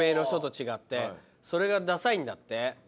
それがダサいんだって。